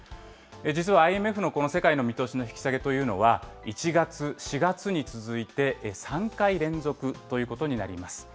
実はＩＭＦのこの世界の見通しの引き下げというのは、１月、４月に続いて、３回連続ということになります。